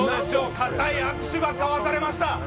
固い握手が交わされました！